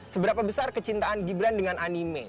seberapa besar kecintaan gibran dengan anime